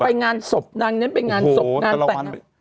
งานศพนางเน้นไปงานศพงานแต่งงาน